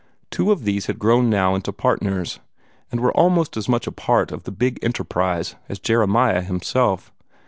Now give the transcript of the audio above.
Two of these had grown now into partners, and were almost as much a part of the big enterprise as Jeremiah himself.